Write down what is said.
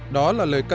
đó là lời căn thân